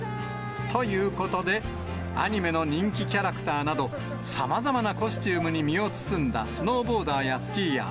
ということで、アニメの人気キャラクターなど、さまざまなコスチュームに身を包んだスノーボーダーやスキーヤー